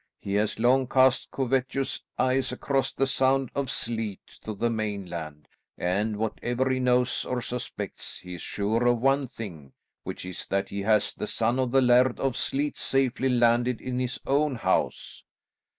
He has long cast covetous eyes across the Sound of Sleat to the mainland, and, whatever he knows or suspects, he is sure of one thing, which is that he has the son of the Laird of Sleat safely landed in his own house."